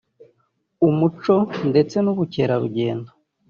umuco ndetse n’ubukerarugendo